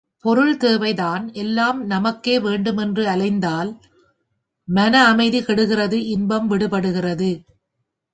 பொருள் தேவைதான் எல்லாம் நமக்கே வேண்டும் என்று அலைந்தால் மன அமைதி கெடுகிறது இன்பம் விடுபடுகிறது.